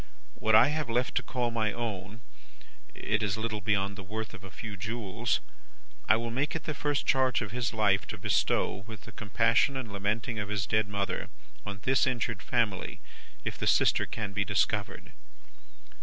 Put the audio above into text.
What I have left to call my own it is little beyond the worth of a few jewels I will make it the first charge of his life to bestow, with the compassion and lamenting of his dead mother, on this injured family, if the sister can be discovered.